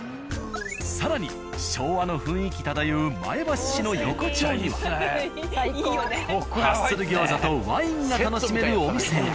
更に昭和の雰囲気漂う前橋市の横丁にはハッスル餃子とワインが楽しめるお店が。